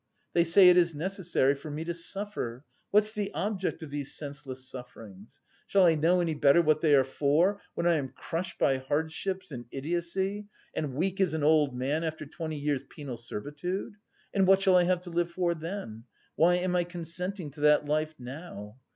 They say it is necessary for me to suffer! What's the object of these senseless sufferings? shall I know any better what they are for, when I am crushed by hardships and idiocy, and weak as an old man after twenty years' penal servitude? And what shall I have to live for then? Why am I consenting to that life now?